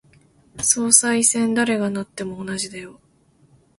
総裁選、誰がなっても同じだよ。